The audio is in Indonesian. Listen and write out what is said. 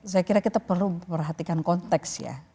saya kira kita perlu perhatikan konteks ya